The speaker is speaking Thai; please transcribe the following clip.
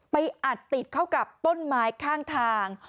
อัดติดเข้ากับต้นไม้ข้างทาง